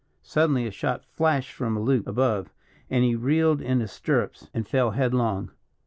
Suddenly a shot flashed from a loop above, and he reeled in his stirrups and fell headlong.